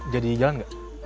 jadi jalan gak